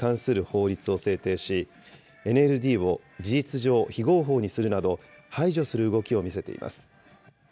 また軍は先月、政党登録に関する法律を制定し、ＮＬＤを事実上非合法にするなど、排除する動きを見せています。